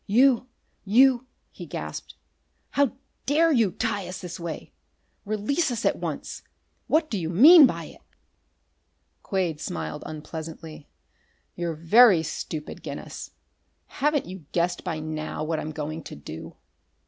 "You you " he gasped. "How dare you tie us this way! Release us at once! What do you mean by it?" Quade smiled unpleasantly. "You're very stupid, Guinness. Haven't you guessed by now what I'm going to do?"